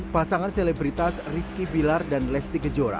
pasangan selebritas rizky bilar dan lesti kejora